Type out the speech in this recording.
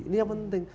ini yang penting